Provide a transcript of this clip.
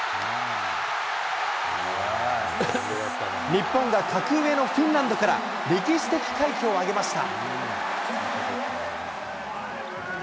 日本が格上のフィンランドから歴史的快挙を挙げました。